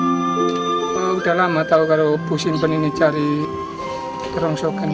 sudah lama tahu kalau bu simpen ini cari rongsokan